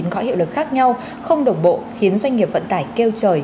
có hiệu lực khác nhau không đồng bộ khiến doanh nghiệp vận tải kêu trời